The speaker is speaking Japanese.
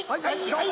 はい。